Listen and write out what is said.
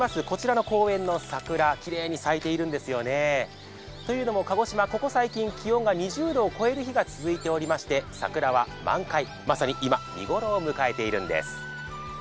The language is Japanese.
こちらの公園の桜、きれいに咲いているんですよねというのも鹿児島、ここ最近気温が２０度を超える日が続いていまして桜は満開、まさに今、見頃を迎えているんです。